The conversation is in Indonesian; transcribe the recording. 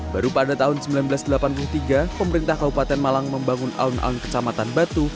baru pada tahun seribu sembilan ratus delapan puluh tiga pemerintah kabupaten malang membangun alun alun kecamatan batu